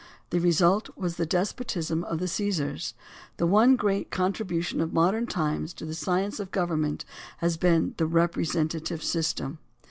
The result was the despotism of the Caesars. The one great contri bution of modern times to the science of government has been the representative system.